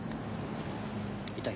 痛い？